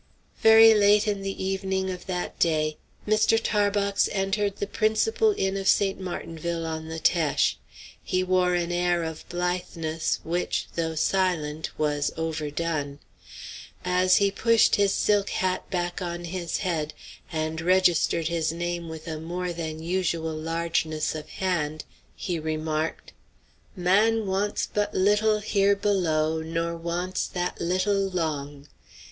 Very late in the evening of that day Mr. Tarbox entered the principal inn of St. Martinville, on the Teche. He wore an air of blitheness which, though silent, was overdone. As he pushed his silk hat back on his head, and registered his name with a more than usual largeness of hand, he remarked: "'Man wants but little here below, Nor wants that little long.'